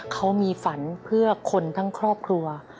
เขามีฝันเพื่อคนทั้งครอบครัว